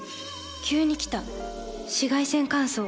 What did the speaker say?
急に来た紫外線乾燥。